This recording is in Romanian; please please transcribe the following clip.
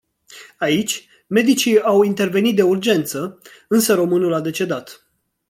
Aici, medicii au intervenit de urgență, însă românul a decedat.